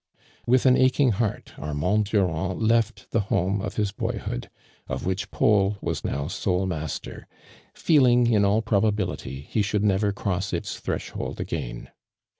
With an aching heart, Armand Dui and left the home of his boyhood, of wl^ich Paul wae now sole mat^ter, feeliqg, in all probability, he ahoukl never o.row iti* threshold again.